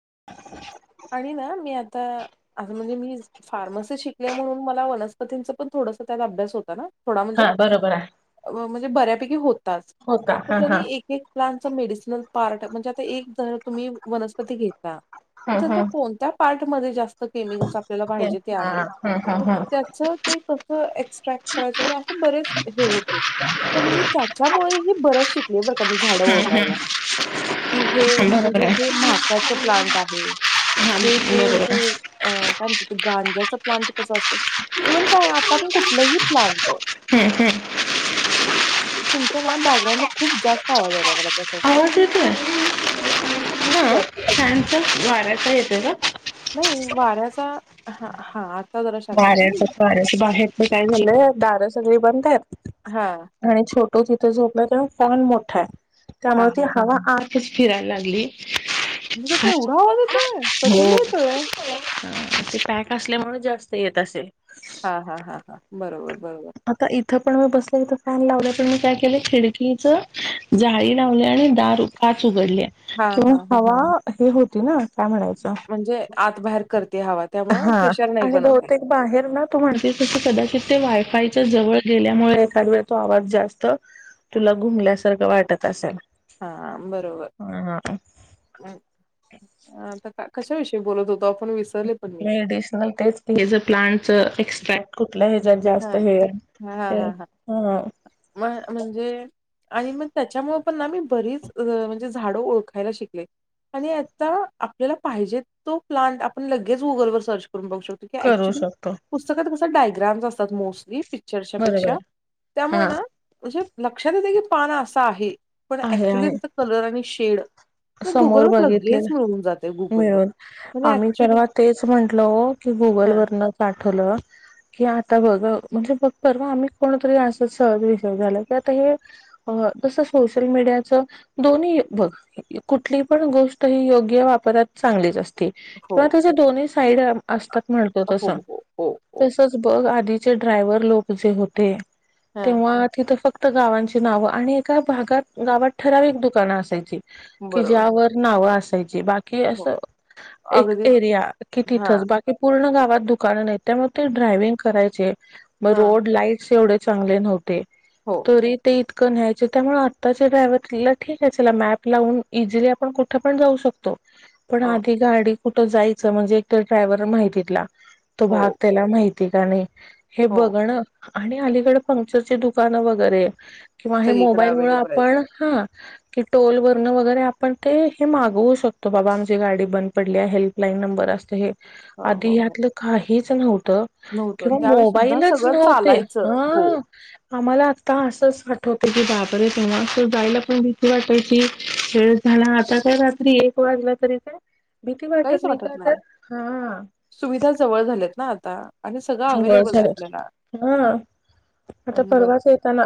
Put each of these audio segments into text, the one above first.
[inaudible] आणि ना मी आता म्हणजे मी फार्मसी शिकले म्हणून मला वनस्पतींचं पण थोड थोड त्याचा अभ्यास होता ना? थोडा म्हणजे हा बरोबर आहे. म्हणजे बऱ्यापैकी होताच हो का हा हा त्यांनी एक एक प्लांटचा मेडिसनल पार्ट हणजे आता एक जर तुम्ही वनस्पती घेता, ह तर त्यांच्या ह कोणत्या पार्ट म जास्त केमिकल् आपल्याला पाहिजे ते हा आहे? ह तर ह त्याच ते कसं एक्स्ट्रॅक्ट करायच वगैरे असे बरेच हे होते तर मी त्याच्यामुळे ह बरंच शिकले बर का म्हणजे झाड ओळखायला, की हे ह बरोबर म्हणजे आहे हे म्हाकाच प्लांट आहे. हा ते ते बरोबर आहे ते अ काय म्हणत्या गांजा प्लांट कसा असतो इवनं काय, आता पण कुठलहि प्लांट हम्म हम्म. तुमच्या ना बॅकग्राउंडला खूप जास्त आवाज यायला [inaudible] होतेेत [unintelligible] खूप जास्त तुमच्या वाऱ्याचा येतोय काय? नाही वाऱ्याचा ह हा आ दार्याच वाार्याच्या [inaudible] बाहेर काय झालंय दारं सगळी बंद आहेत हा. [inaudible] ो तिथं झोपला तो फॅन मोठा आहे, हा त्यामुळे हा ती हवा आतच फिरायला लागली म्हनजे त्याचा एवढा आवाज येतोय प्रचंड येतोय ते पॅक असल्यामुळे जास्त येत असेल हा हा हा हा. बरोबर आता इ इथ पण मी बसले इथ फॅन लावले पण मी काय केले खिडकीच जाळी लावले आणि दार उ उघडली हा किंवा हा हवा हे होती ना काय म्हणायचं म्हणजे आत बाहेर करते हववा हा आणि बहुतेक बाहेर ना तू म्हणतीस तस कदाचित वायफायच्या जवळ गेल्यामुळे एखाद्या आवाज जास्त तुला घुमल्यासारखं वाटत असेल हा बरोबर हा हम्. आता कशाविषयी बोलत होतो आपण विसरून डिशनल प्लांट एक्स्ट्रॅक्ट कुठ [unintelligible] हा ह हा ह म म्हणजे? आणि मग त्याच्यामुळं पण आम्ही, बरीच म्हणजे झाडं ओळखायला शिकले. आणि आता आपल्याला पाहिजे तो प्लांट आपण लगेच गुगलवरर सर्च करून बघू शकतो करू ऍक्च्युली शकतो पुस्तकात कशे डायग्राम असतात मोस्टली बरोबर चर्चापेक्षा आहे हा त्यामुळं ना म्हणजे लक्षात येते की पान अस आहे. पण आहे ऍक्च्युली आहे त्याचा कलर आणि शेड समोर गुगलवर लगेच मिळून जाते बघितलेलं गुगलवर मिळून म्हणजे आम्ही ऍक्च्युली परवा तेच म्हटलं ओ की, गुगल हा वरन आठवलं की आता बघ म्हणजे बघ परवा आम्ही कोणतरी असचं सहज विशय झाला की आता हे तस सोशल मीडियाच दोन्ही बघ कुठली पण गोष्ट हि योग्य वापरात चांगलीच असते, हो किंवा त्याचे दोन्ही साईड असतात म्हणतो हो तस हो हो हो तसच बघ आधीचे ड्रायव्हर लोक जे होते हा तेव्हा तिथं फक्त गावांची नाव आणि एका भागात गावात ठराविक दुकानं असायची कि बरोबर ज्यावर नावं असायची बाकी कि हो असं एक अगदीच एरिया कि हा तिथच बाकी पूर्ण गाव दुकान नाही त्यामुळे ते ड्रायविंग करायचे मग हा रोड लाईटस एवढे चांगले नव्हते हो तरी ते इतकं न्यायच त्यामुळे आत्ताच्या ड्रायव्हला ठीक आहे चला मॅप लावून इझिली आपण कुठे पण जाऊ शकतो पण हो आधी गाडी कुठं जायचं म्हणजे एक तर ड्रायव्हर माहितीितला तो हो भाग त्याला माहिती आहे का नाही हे हो बघण आणि अलीकड पंक्चरची दुकानं वगैरे किंवा हे सगळीकडे मोबाईल मु अवेलेबल आहेत. आपण हा कि टोल व वगैरे आपण ते हे मागवू शकतो बाबा आमची गाडी बंद पडली आहे हेल्पलाईन नंबर असत हे हो आधी हो हो. यातलं काहीच नव्हतं नव्हतं किंवा त्यावेळी सुद्धा मोबाईलच सगळं नव्हते चालायचं हो हा आम्हाला आता असंच वाट होते की बाबरे तेव्हा स जायला पण दिशी वाटाय की खेळ झाला आता काय रात्री एक वाजला तरी काय भीती वाटत नाही का तर हा सुविधा जवळ झाल्यात ना आता आणि सगळं ह बळ अवेलेबल आहे झार आपल्याला. हा आता अं, बर परवाच येताना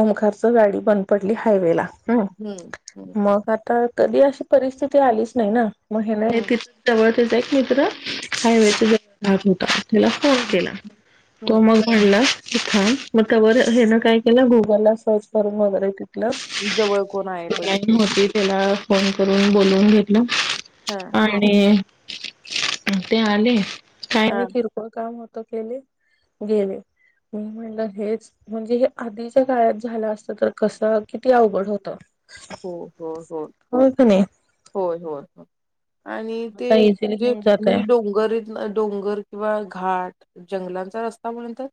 ओमकार गाडी बंद पडली हायवे ला हम्म हम्म. मग तर कधी अशी परिस्थिती आलीच नाही ना मग हेना हम्म तिथ जवळ येत आहे एक मित्र हम्म हायवेचा ज भाग होता त्याला फोन केला तो हम्म मग घडला हा मग त्या हे काय केलं गुगल ला सर्च करून वगैरे त जवळ कोण आहे बघितले ईंग होती त्याला फोन करून बोलवून घेतला हा आणि ते आले काही हा. नाही किरकोळ काम होत केले गेले मी म्हणलं हेच म्हणजे हे आधीच्या काळात झालं असत तर कसं किती अवघड होत हो हो हो होय होय होय आणि ते आता इझिली जे होऊन जातय म्हणजे डोंगरत डोंगर किंवा घाट जंगलांचा रस्ता म्हंतर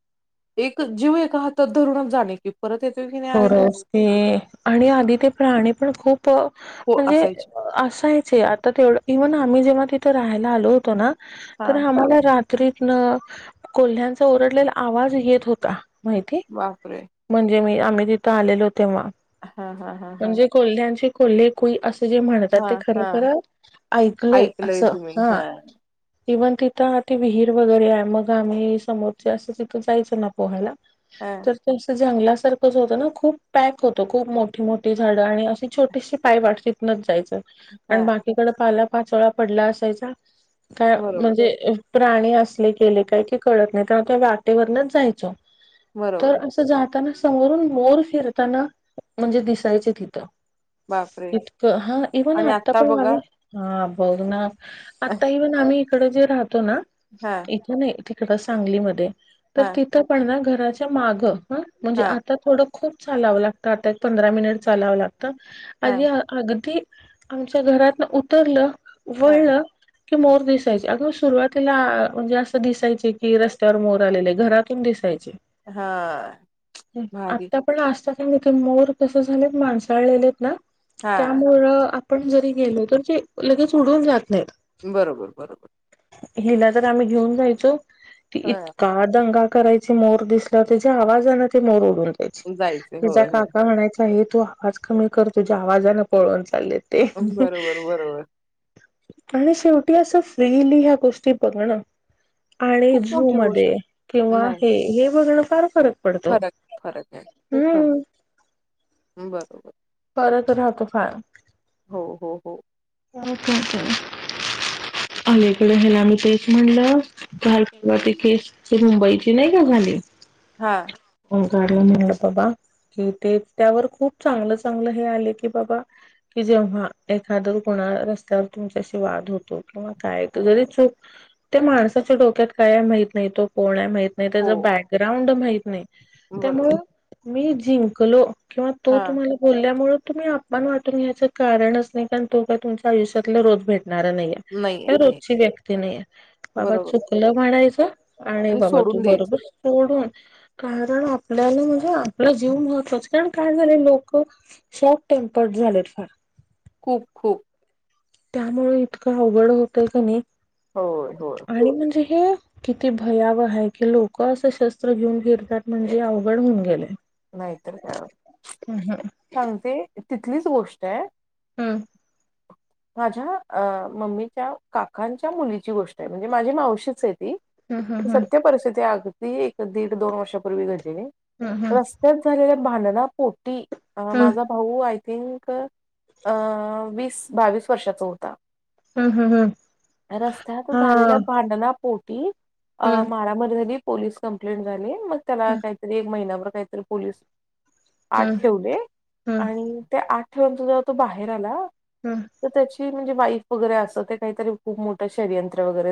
एक जीव एका हातात धरून जाणे की परत येतोय की नाही आयडन खरच ते आणि आधी ते प्राणी पण खूप प हो म्हणजे असायचे असायच आता तेवढं इव्हन आम्ही जेव्हा तिथे राहायला आलो होतो ना हा तर आम्हाला रात्रीत को्ह्यांचा ओरडलेला आवाज येत होता माहिती बापरे! म्हणजे मी आम्ही तिथं आलेलो होतो तेव्हा हां, हां, हां, हां. म्हणजे कोल््ह्यांचे कोल्हे को अस जे म्हणतात ते हां, खर हां. खर ऐकलय अस ऐकलंय तुम्ही. हा हां, इव्हन तिथं ती विहीर वगैरे आहे मग आम्ही समोरचे असं तिथं जायचं ना पोहायला हां, तर तं जंगला होत ना खूप पॅक होतो खूप मोठी मोठी झाडं आणि अशी छोटीशी पाय वाटत नच जायच प हां. बाकीकड पाला पाचोळा पडला असायचा काय बरोबर, म्हणजे प्राणी असले गेले काही की कळत नाही त्या त वाटेवरनच जायचो तर बरोबर. असं जातनास समोरून मोर फिरताना म्हणजे दिसायचे तिथं बापरे! इतक हा इवन आणि आता आताकड आ बघा हा बवद ना हां, आताही पण आम्ही इकड जे राहतो ना हां, इथे नाही तिकड सांगलीमध्ये तर हां, तिथं पण ना घराच्या माग म्हणजे हां, आता थोड खूप चालावं लागत आता एक पंधरा मिनिट चालावं लागतं आध अगदी आमच्या घरातन उतरलं हां. वळलं की मोर दिसायचे अगं सुरुवातीला म्हणजे असं दिसायचे की रस्त्यावर मोर आलेले आहे घरातून दिसायचे हा आता पण आताात ना तिथे मोर तस झाम माणसाळलेलेत ना हां, त्यामुळ आपण जरी गेलो तर ते लगेच उडून जात नाही बरोबर बरोबर हिला तर आम्ही घेऊन जायचो ती हां, इतका दंगा करायची मोर दिसला त्या आवाज आहे ना ते मोर डून जायचं. द्यायची त्या होय, होय. काका म्हणाय तू आवाज कमी कर तोझ्या आवाजने पळून चालले ते बरोबर, बरोबर. आणि शेवटी असं फ्रीली ह्या गोष्टी बघणं आणि खूप झू मोठी गोष्ट मध्ये आहे. किंवा नाही, हे हे बघणं फार फरक. पडतो फरक फरक आहे खूप फरक हम्म बरोबर. परत राहतो फार. हो हो हो. अलीकड ह्यायलामही ते एक म्हणलं. मुंबईची नाही का झाली. हा. बाबा कि ते त्यावर खूप चांगलं चांगलं हे आले की. बाबा कि जेव्हा एखाद कोणा रस्त्यावर तुमच्याशी वाद होतो किंवा काय जरी चूक. त्या माणसाच्या डोक्यात काय आहे माहित नाही तो कोण आहे माहित. नाही त्याच हो. बॅकग्राउंड माहत नाही त्यामु बरोबर. मी जिंकलो. किंवा तो हां. तुम्हाला बोलल्यामुळे. तुम्ही अपमान वाटून घ्यायं कारणच नाही कारण तो कायुमच्या आयुष्यातला रोज भेटत. णार नाहीये रोजची व्यक्ती नाहीये बाबा बरोबर चुकलं म्हणाायचं. आणि बाबा तू सोडून द्यायचं. बरोबर सोडून. कारण आपल्याला म्हणजे आपला जीव महत्वाच कारण काय झाले लोक शॉर्ट टेम्पर्ड. झाले फ. कु खु. त्यामुळे इतकं अवघड होतय का नाही. होय होय. आणि म्हणजे हे किती भयाव आहे की लोक असे शस्त्र घेऊन फिरतात म्हणजे अवघड होऊन गेले. नाहीतर का सांगते तिथलीच गोष्ट आहे. हम्म माझ्या अ मम्मीच्या काकांच्या मुलीची गोष्ट आहे म्हणजे माझी मावशीच आहे. हम्म हम्म सत्य परिस्थिती आगती एक दीड दोन वर्षापूर्वी घड. हम्म रस्त्यात झालेल्या भांडणापोटी माझा भाऊ. थिंक अ वीस बावीस वर्षाचा होता. रस्त्यात झालेल्या भांडणा. माराम झाली पोलीस कंप्लेंट झाली मग त्याला काही महि. प आठ ठेवले आणि आ. थेून तुझ तो बाहेर आला. तर त्याची म्हणजे वाईफ वगैरे असं ते काहीतरी खूप मोठंषयंत्र वगैरे.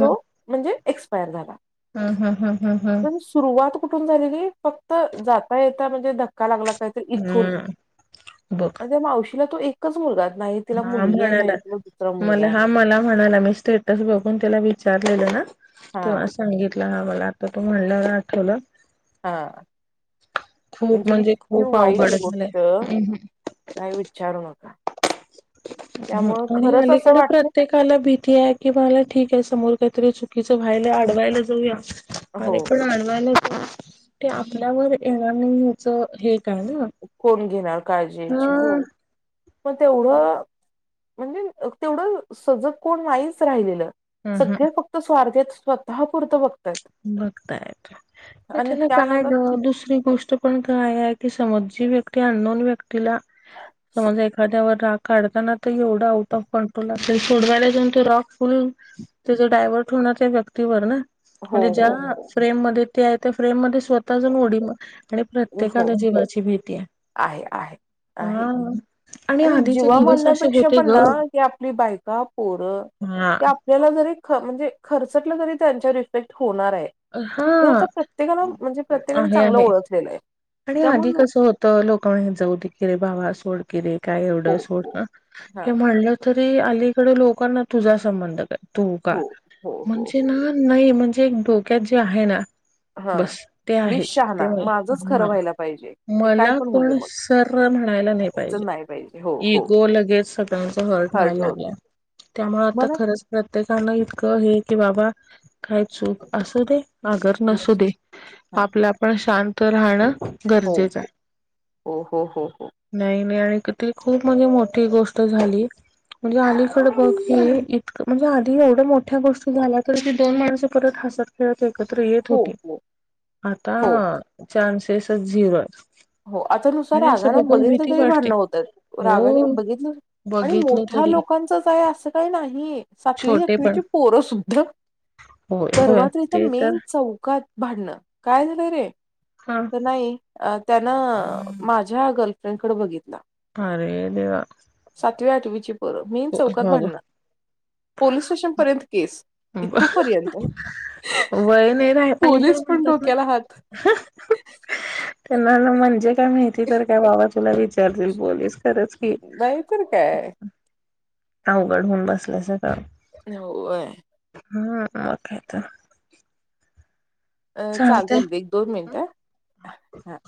तो म्हणजे एक्यर झाला. हम् हम् हम् हम हम्. पण सुरुवात कुठून झाली की फक्त जाता येता म्हणजे धक्का लागला. कायत इथूर बघ आणि त्या मावशीला तो एकच मुलगा. नाही तिला हा मुलगी आहे म्हणाला नाही तिला. मुलगा मला आहे हा मला म्हणाला मी स्टेटस बघून त्याला विचारलेलं ना. तेव्हा हा सांगितलं का मला आता तू म्हणलं आठवलं. हा. खूप म्हणजे इतकी खूप वाईट अवघड गोष्ट झालंय काय विचारू नका. त्यामुळे आणि खरंच असं अलीकड वाटलं प्रत्येकाला भीती आहे कि मला ठीक आहे समोर. काहीतरी चुकीचं व्हायला आडवायला जाऊया हो अरे पण आडवायला जा. ते आपल्यावर येणार नाही याच हे. काय ना कोण घेणार काळजीची हो पण ह तेवढं. म्हणजे तेवढं सजग कोण नाहीच राहिलेलं ह ह सगळ फक्त स्वारथ्या. स्वतः पुरत व. बघताय आणि त्याला त्या काय नादात ग कि दुसरी गोष्ट पण काय. ती समज जी व्यक्ती अ दोन व्यक्तीला. समज एखाद्यावर राग काढताना तर एवढं आउट ऑफ कंट्रोल असेल सोडवायला जाऊन तो राॉग फुल. त्याच डायवर्ट होणार त्या व्यक्तीवर ना हो म्हणजे हो ज्या फ्रेम मध्ये ते आहे त्या फ्रेम मध्ये स्वतःजून डी आणि हो हो प्रत्येकाला जीवाची भीती आहे आहे आहे आहे हा की आणि आधीचे जीवा दिवस असे म्हणण्यापेक्षा होते पण ग ना की आपली बायका पोरं हा क आपल्याला जरी म्हणजे खर्चलं जरी त्यांच्या इफेक्ट होणार आहे हे आता हा प्रत्येकाला म्हणजे प्रत्येकाने आहे चांगलं आहे ओळखलेलं आहे आणि आधी त्यामुळे लोक कसं होतं लोक म्ह जा उद किरे भावा सोडकिरे काय हो एवढं सोड हो हां हे म्हणलं तरी अलीकडे लोकांना तुझा संबंध काय ोका हो हो हो म्हणजे हो ना नाही म्हणजे एक डोक्यात जे आहे ना हां बस ते मीच आहेच शहाणा तेमुळे माझंच खरं ह व्हायला पाहिजे. ते काय मला पण होऊ दे कोण मग. सर म्हणायला नाही च पाहिजे नाही पाहिजे हो हो इगो लग ह व्हायला हर्ट होत लाग त्यामुळे आ मला खर प्रत्येकान इं ये के बाबा काही चूक असू दे, अगर नसू दे हा आपल्या आपण शांत राहणं हो गरजेच आहे हो हो हो हो नाही-नाही आणि कि ती खूप म्हणजे मोठी गोष्ट झाली. म्हणजे अलीकड बघ हे इतकं म्हणजे आधी एवढं मोठ्या गोष्टी झाल्या तरी ती दोन माणसं परत हसत खेळत एकत्र येत हो होती हो आता हो चान्सेसच झिरो आहे. हो आता नुसा रागानं बघितलं तरी वाटते. भांडणं होत्यात रागाने हो बघितलं आणि बघितलं मोठ्या तरी लोकांचंच आहे असं काही नाही सातवी छोटे पण आठवीची पोरं सुद्धा होय परवा होय तर इथं ते तर मेन चौकात. भाडणं काय झालं रे? हा तर नाही अ त्यांना माझ्या गर्लफ्रेंडकडें बघितला अरे देवा. तवी आठवीची पोरं मेन चौकात हो भांडण पोलीस स्टेशन पर्यंत केस‌ इथंपर्यंत. वय नाही राही पण ईथं म्हणतात ना डोक्याला हात त्यांना न म्हणजे काय माहिती तर काय बाबा तुला विचारतील पोलीस. खरंच की नाही तर काय? अवघड होऊन बसलंय सगळं. हो वे हम्म म काय त? अ चालतं [unintelligible] एक दोन मिनट हं.